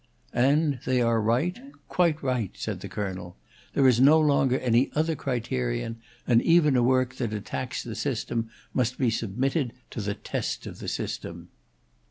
"And they are right quite right," said the Colonel. "There is no longer any other criterion; and even a work that attacks the system must be submitted to the tests of the system."